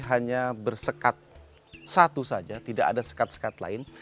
hanya bersekat satu saja tidak ada sekat sekat lain